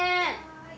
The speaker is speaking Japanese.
はい！